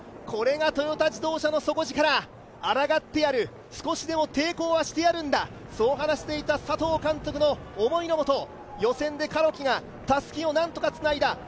これがトヨタ自動車の底力抗ってやる、少しでも抵抗はしてやるんだ、そう話していた佐藤監督の思いの下、予選でカロキでたすきをなんとかつないだ。